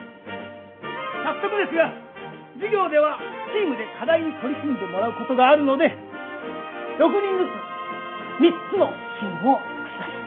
早速ですが授業ではチームで課題に取り組んでもらうことがあるので６人ずつ３つのチームを作ります。